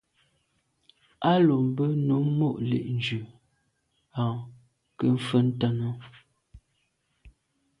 A lo be num mo’ le’njù à nke mfe ntàne.